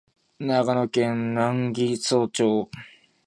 長野県南木曽町